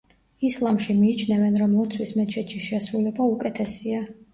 ისლამში მიიჩნევენ, რომ ლოცვის მეჩეთში შესრულება უკეთესია.